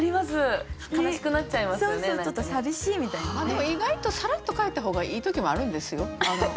でも意外とさらっと帰った方がいい時もあるんですよ。